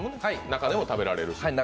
中でも食べられるし。